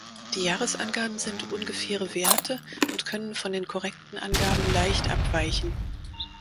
Die Jahresangaben sind ungefähre Werte und können von den korrekten Angaben leicht abweichen.